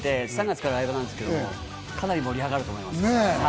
今、ライブが控えていて、３月からライブなんですけど、かなり盛り上がると思います。